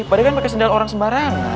pak de kan pakai sendal orang sembarang